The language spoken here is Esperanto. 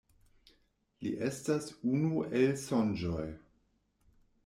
Li estas unu el Sonĝoj.